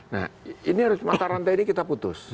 nah ini harus mataran tni kita putus